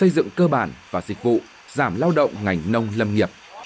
dịch vụ giảm lao động ngành nông lâm nghiệp